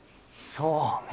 そうね。